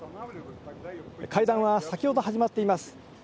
会談は先ほど始まっています。